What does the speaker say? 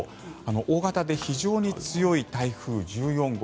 大型で非常に強い台風１４号